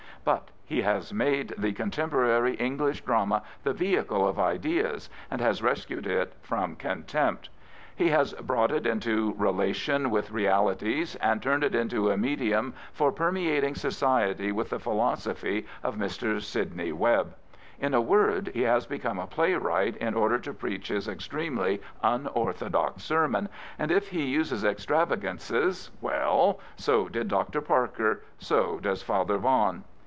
But he has made the contemporary English drama the vehicle of ideas and has rescued it from contempt. He has brought it into relation with realities and turned it into a medium for permeating society with the philosophy of Mr. Sidney Webb. In a word, he has become a playwright in order to preach his extremely unorthodox sermon, and if he uses extravagances — well, so did Dr. Parker, so does Father Vaughan.